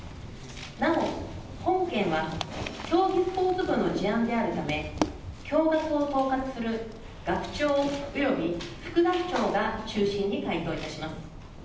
なお本件は競技スポーツ部の事案であるため、を統括する学長および副学長が中心に回答いたします。